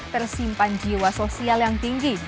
tersimpan jiwa sosial yang tinggi